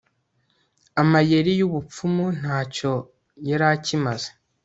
amayeri y'ubupfumu nta cyo yari akimaze